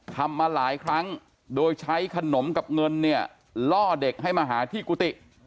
ทำมาหลายครั้งโดยใช้ขนมกับเงินเนี่ยล่อเด็กให้มาหาที่กุฏิ